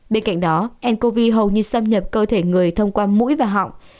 bên cạnh đó ncov hầu như xâm nhập cơ thể người thông qua mũi và họng